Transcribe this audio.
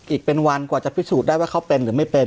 อีกเป็นวันกว่าจะพิสูจน์ได้ว่าเขาเป็นหรือไม่เป็น